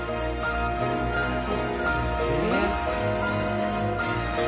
えっ？